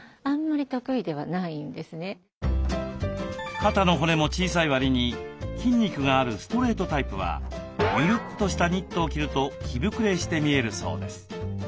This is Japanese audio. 肩の骨も小さいわりに筋肉があるストレートタイプはゆるっとしたニットを着ると着ぶくれして見えるそうです。